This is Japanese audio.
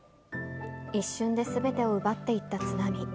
一瞬ですべてを奪っていった津波。